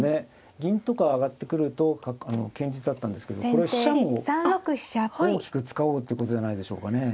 銀とか上がってくると堅実だったんですけどこれは飛車を大きく使おうってことじゃないでしょうかね。